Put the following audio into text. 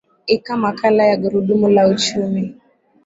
ika makala ya gurudumu la uchumi